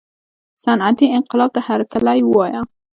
صنعتي انقلاب ته هرکلی ووایه.